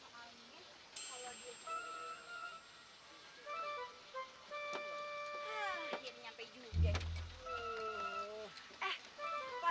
hah ini nyampe juga